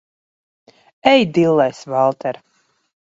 Ej dillēs, Valter!